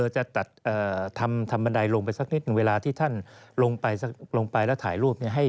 จะทำบันไดลงไปสักนิดนึงเวลาที่ท่านลงไปแล้วถ่ายรูป